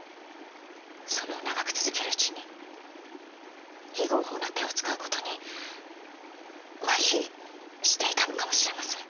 それを長く続けるうちに非合法な手を使う事にマヒしていたのかもしれません。